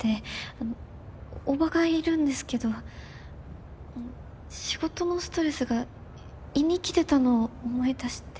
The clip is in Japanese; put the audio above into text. あの叔母がいるんですけど仕事のストレスが胃にきてたの思い出して。